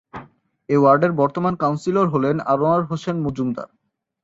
এ ওয়ার্ডের বর্তমান কাউন্সিলর হলেন আনোয়ার হোসেন মজুমদার।